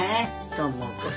智子さん